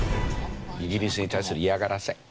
イギリスに対する嫌がらせ。